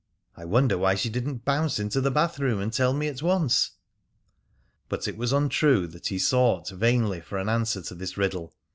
I wonder why she didn't bounce into the bathroom and tell me at once?" But it was untrue that he sought vainly for an answer to this riddle.